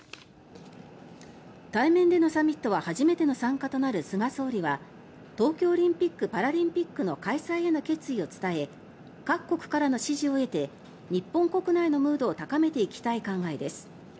対面でのサミットは初めての参加となる菅総理は東京オリンピック・パラリンピックの開催への決意を伝え各国からの支持を得て日本国内のムードを高めていきたい考えです。